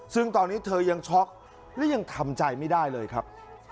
ซึ่งตอนนี้เธอยังช็อกและยังทำใจไม่ได้เลยครับ